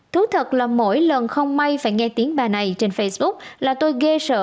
thú thật là mỗi lần không may phải nghe tiếng bà này trên facebook là tôi ghe sợ